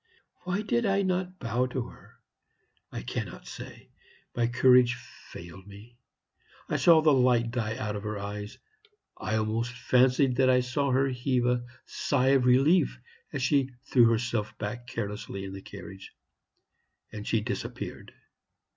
Why did I not bow to her? I cannot say; my courage failed me. I saw the light die out of her eyes. I almost fancied that I saw her heave a sigh of relief as she threw herself back carelessly in the carriage; and she disappeared.